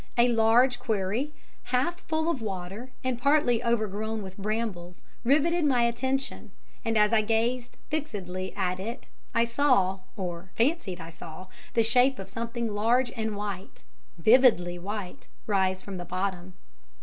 A large quarry, half full of water and partly overgrown with brambles, riveted my attention, and as I gazed fixedly at it I saw, or fancied I saw, the shape of something large and white vividly white rise from the bottom.